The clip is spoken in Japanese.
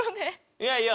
いやいや。